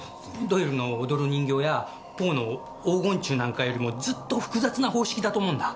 ドイルの『踊る人形』やポオの『黄金虫』なんかよりもずっと複雑な方式だと思うんだ。